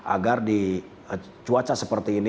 agar di cuaca seperti ini